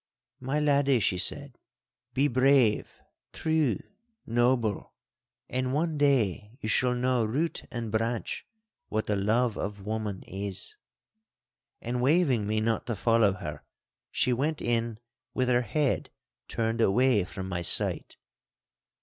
'My laddie,' she said, 'be brave, true, noble, and one day you shall know root and branch what the love of woman is.' And waving me not to follow her, she went in with her head turned away from my sight.